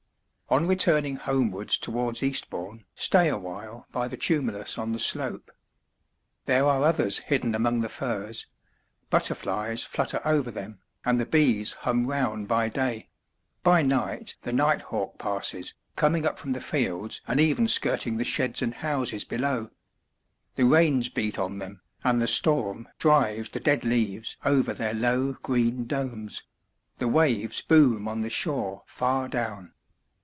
On returning homewards towards Eastbourne stay awhile by the tumulus on the slope. There are others hidden among the furze; butterflies flutter over them, and the bees hum round by day; by night the nighthawk passes, coming up from the fields and even skirting the sheds and houses below. The rains beat on them, and the storm drives the dead leaves over their low green domes; the waves boom on the shore far down.